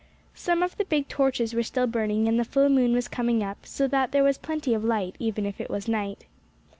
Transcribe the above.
Some of the big torches were still burning, and the full moon was coming up, so that there was plenty of light, even if it was night.